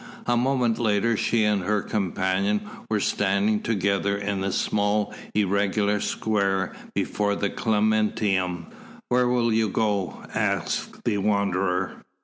A moment later she and her companion were standing together in the small irregular square before the Clementinum. "Where will you go?" asked the Wanderer.